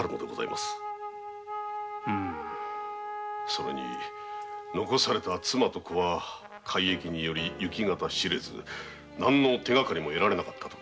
それに残された妻と子は改易により行方知れず何の手がかりも得られなかったと。